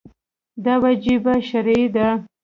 دا وجیبه شرعي ده.